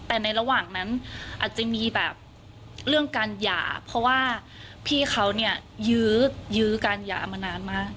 แต่ในระหว่างนั้นอาจจะมีแบบเรื่องการหย่าเพราะว่าพี่เขาเนี่ยยื้อยื้อการหย่ามานานมาก